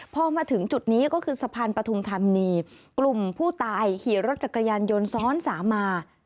พอมาถึงจุดนี้ก็คือสะพานปฐุมธานีกลุ่มผู้ตายขี่รถจักรยานยนต์ซ้อนสามมา